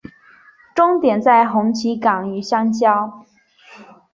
终点在红旗岗与相交。